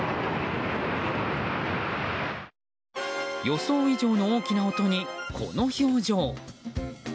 予想以上の大きな音にこの表情。